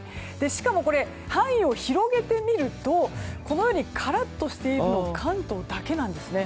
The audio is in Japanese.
しかも、範囲を広げてみるとこのようにカラッとしているのは関東だけなんですね。